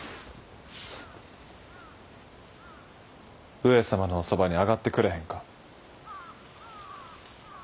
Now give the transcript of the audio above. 上様のおそばに上がってくれへんか？